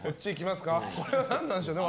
これは何でしょうね。